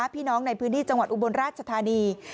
พี่น้องในพื้นที่จังหวัดอุบลราชธานี